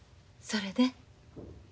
それで？